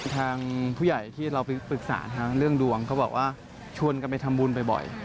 ทางผู้ใหญ่ที่เราไปปรึกษาทางเรื่องดวงเขาบอกว่าชวนกันไปทำบุญบ่อย